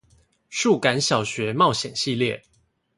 數感小學冒險系列